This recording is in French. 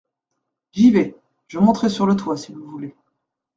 J’y vais. je monterai sur le toit si vous voulez.